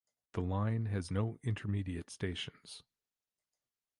The line has no intermediate stations.